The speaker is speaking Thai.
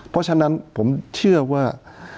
เพราะฉะนั้นผมเชื่อว่า